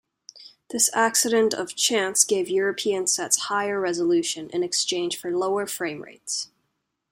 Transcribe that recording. This accident of chance gave European sets higher resolution, in exchange for lower frame-rates.